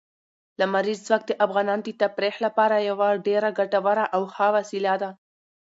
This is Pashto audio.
لمریز ځواک د افغانانو د تفریح لپاره یوه ډېره ګټوره او ښه وسیله ده.